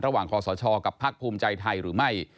ระหว่างคอสชกับพักภูมิใจไทยหรือไม่